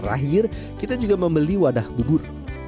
terakhir kita juga membeli wadah bubur